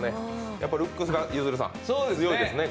やはりルックスが強いですね。